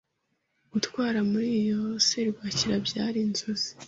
Gutwara muri iyo serwakira byari inzozi.